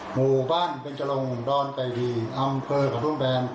หมู่บ้านเบนจรงดอนไก่ดีอำเภอกระทุ่มแบน